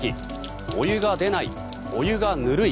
お湯が出ない、お湯がぬるい。